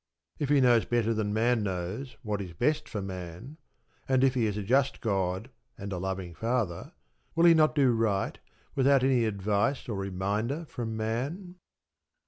If He knows better than Man knows what is best for man, and if He is a just God and a loving Father, will He not do right without any advice or reminder from Man?